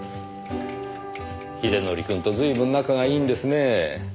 英則くんとずいぶん仲がいいんですねえ。